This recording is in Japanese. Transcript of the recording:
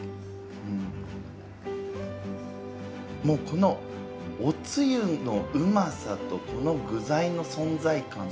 もうこのおつゆのうまさとこの具材の存在感。